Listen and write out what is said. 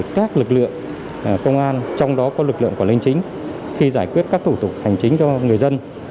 các lực lượng công an trong đó có lực lượng quản lý chính khi giải quyết các thủ tục hành chính cho người dân